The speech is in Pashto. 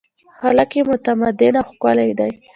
خلک یې متمدن او ښکلي دي.